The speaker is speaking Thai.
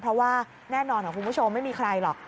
เพราะว่าแน่นอนค่ะคุณผู้ชมไม่มีใครหรอก